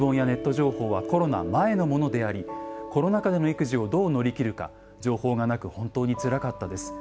情報はコロナ前のものでありコロナ禍での育児をどう乗り切るか情報がなく本当につらかったです。